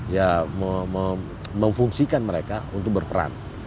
ya memfungsikan mereka untuk berperan